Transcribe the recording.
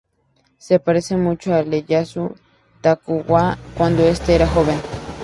Se parece mucho a Ieyasu Tokugawa cuando este era joven.